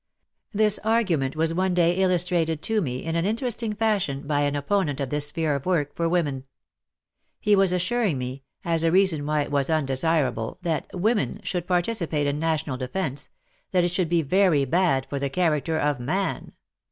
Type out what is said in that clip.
This argument was one day illustrated to me in an interesting fashion by an opponent of this sphere of work for women. He was assuring me, as a reason why it was undesirable that Women should participate in national defence, that it would be very bad for the character of Man.